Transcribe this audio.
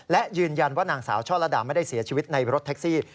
และยืนยันว่านางสาวช่อละดาไม่ได้เสียชีวิตในรถแท็กซี่